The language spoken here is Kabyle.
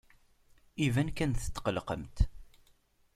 Iban kan tetqellqemt.